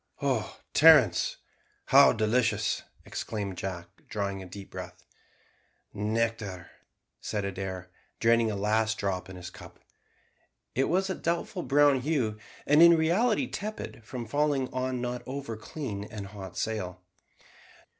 "Oh, Terence, how delicious!" exclaimed Jack, drawing a deep breath. "Nectar," said Adair, draining a last drop in his cup. It was of a doubtful brown hue, and in reality tepid from falling on the not over clean and hot sail.